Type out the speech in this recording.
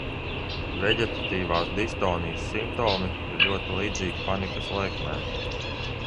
Veģetatīvās distonijas simptomi ir ļoti līdzīgi panikas lēkmēm.